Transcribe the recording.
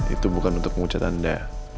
itu bukan untuk mengucap anda